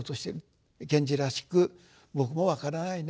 賢治らしく僕も分からないね